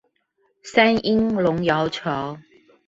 三鶯龍窯橋